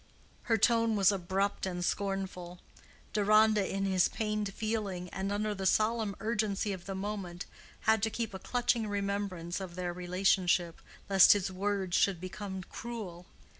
Her tone was abrupt and scornful. Deronda, in his pained feeling, and under the solemn urgency of the moment, had to keep a clutching remembrance of their relationship, lest his words should become cruel.